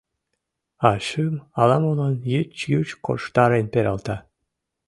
А шӱм ала-молан йыч-юч корштарен пералта...